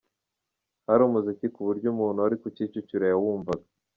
Hari umuziki ku buryo umuntu wari ku Kicukiro yawumvaga.